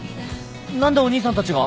何でお兄さんたちが？